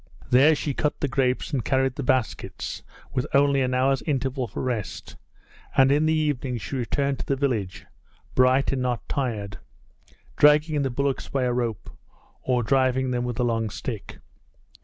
There she cut the grapes and carried the baskets with only an hour's interval for rest, and in the evening she returned to the village, bright and not tired, dragging the bullocks by a rope or driving them with a long stick.